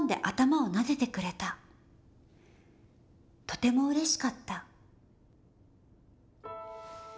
とてもうれしかった！」。